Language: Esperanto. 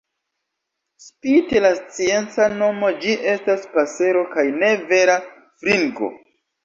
Spite la scienca nomo, ĝi estas pasero kaj ne vera fringo.